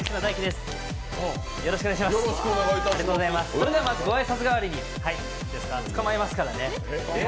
それでは、まずご挨拶代わりに、捕まえますからね。